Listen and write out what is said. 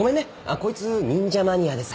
こいつ忍者マニアでさ。